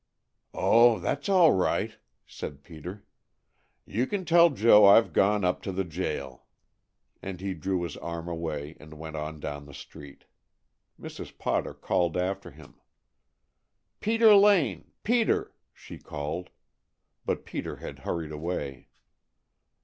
"Oh, that's all right!" said Peter. "You can tell Joe I've gone on up to the jail," and he drew his arm away and went on down to the street. Mrs. Potter called after him. "Peter Lane! Peter!" she called, but Peter had hurried away.